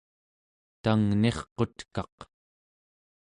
tangnirqutkaq